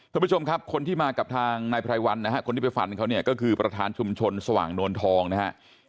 คุณผู้ชมครับคนที่มากับทางนายไพรวันนะครับคนที่ไปฟันเขาเนี่ยก็คือประธานชุมชนสว่างนวลทองนะครับ